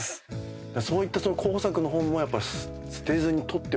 そういった候補作の本もやっぱ捨てずに取っておかれるんですね。